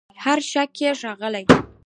هر شګه یې ښاغلې